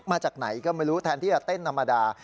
มาจากไหนก็ไม่รู้แทนที่จะเต้นธรรมดา